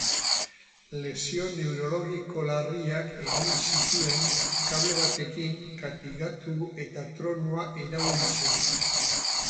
Lesio neurologiko larriak egin zituen kable batekin katigatu eta tronua irauli zenean.